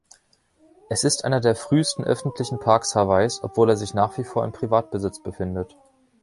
Es ist einer der frühesten öffentlichen Parks Hawaiis, obwohl er sich nach wie vor in Privatbesitz befindet.